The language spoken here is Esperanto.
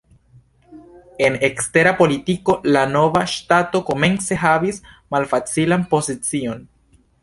En ekstera politiko la nova ŝtato komence havis malfacilan pozicion.